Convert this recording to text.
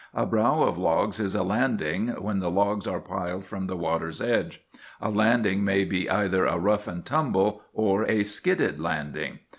A brow of logs is a 'landing' when the logs are piled from the water's edge. A landing may be either a 'rough and tumble' or a 'skidded' landing.